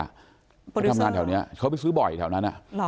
ไปทำงานแถวนี้เขาไปซื้อบ่อยแถวนั้น